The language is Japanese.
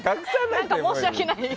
何か申し訳ない。